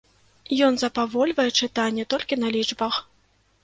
Ён запавольвае чытанне толькі на лічбах.